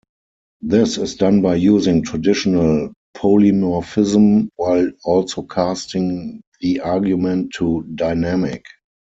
This is done by using traditional polymorphism while also casting the argument to "dynamic".